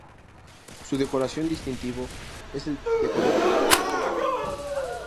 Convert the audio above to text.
Su decoración distintivo es de color verde.